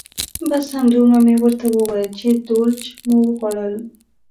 بس همدومره مې ورته وویل چې دولچ مو وخوړل.